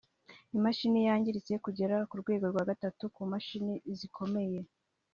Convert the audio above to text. Imashini yangiritse kugera ku rwego rwa gatatu ku mashini zikomeye